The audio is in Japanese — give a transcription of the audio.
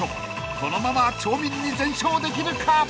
［このまま町民に全勝できるか？］